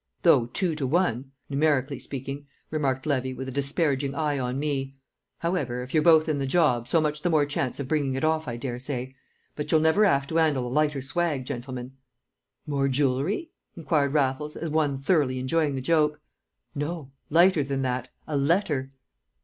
"Though two to one numerically speaking," remarked Levy, with a disparaging eye on me. "However, if you're both in the job, so much the more chance of bringing it off, I daresay. But you'll never 'ave to 'andle a lighter swag, gentlemen!" "More jewellery?" inquired Raffles, as one thoroughly enjoying the joke. "No lighter than that a letter!"